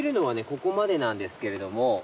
ここまでなんですけれども。